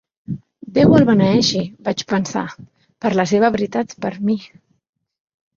"Déu el beneeixi," vaig pensar, "per la seva veritat per a mi!"